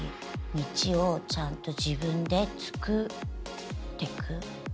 道をちゃんと自分で作ってく。